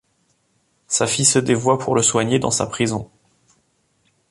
Sa fille se dévoua pour le soigner dans sa prison.